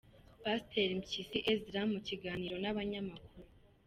Pasiteri Mpyisi Ezra mu kiganiro n’abanyamakuru